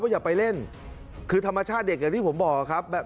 อย่าไปเล่นคือธรรมชาติเด็กอย่างที่ผมบอกครับ